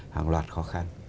hàng loạt khó khăn